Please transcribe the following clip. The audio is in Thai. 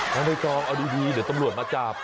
เอาไม่ต้องเอาดูดีเดี๋ยวตำรวจมาจับ